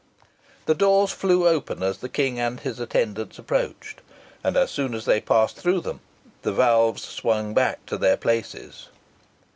The doors flew open as the King and his attendants approached, and, as soon as they had passed through them, the valves swung back to their places.